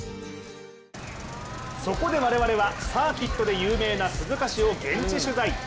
そこで我々はサーキットで有名な鈴鹿市を現地取材。